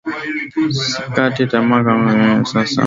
sikate tama kama hizi vinavyofanya sasa